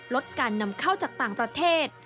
ลดการนำเข้าจากต่างประเทศ